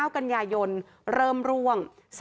๙กันยายนเริ่มร่วง